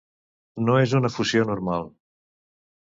No és una fusió normal.